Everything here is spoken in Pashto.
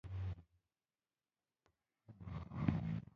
نن احمد او علي په نه خبره یو له بل سره کړپ وکړ.